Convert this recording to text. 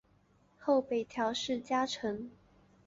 后北条氏家臣。